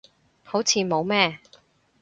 好似冇咩